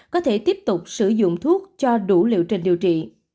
có thể tiếp tục sử dụng thuốc cho đủ liệu trình điều trị